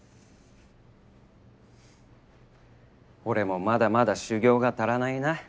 俺もまだまだ修業が足らないな。